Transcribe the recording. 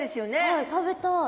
はい食べたい。